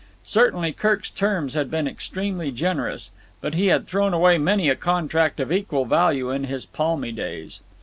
Certainly Kirk's terms had been extremely generous; but he had thrown away many a contract of equal value in his palmy days.